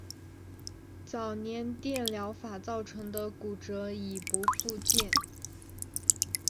早年电疗法造成的骨折已不复见。